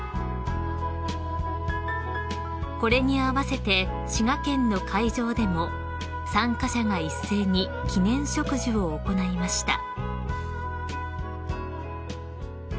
［これに併せて滋賀県の会場でも参加者が一斉に記念植樹を行いました］